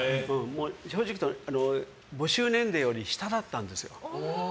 正直募集年齢より下だったんですよ。